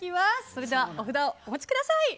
それでは、お札をお持ちください。